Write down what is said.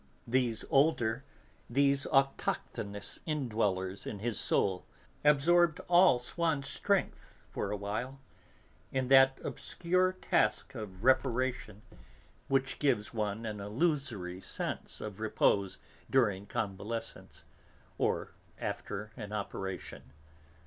These older, these autochthonous in dwellers in his soul absorbed all Swann's strength, for a while, in that obscure task of reparation which gives one an illusory sense of repose during convalescence, or after an operation.